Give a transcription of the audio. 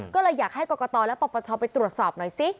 ก็เลยอยากให้กรกตและปปชไปตรวจสอบหน่อยสิ